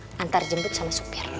diantar jemput sama supir